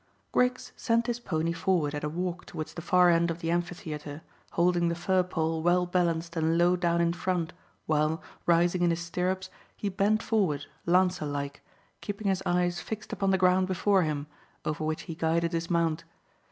Griggs sent his pony forward at a walk towards the far end of the amphitheatre, holding the fir pole well balanced and low down in front, while, rising in his stirrups, he bent forward, lancer like, keeping his eyes fixed upon the ground before him, over which he guided his mount.